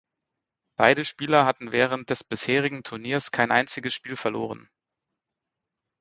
Beide Spieler hatten während des bisherigen Turniers kein einziges Spiel verloren.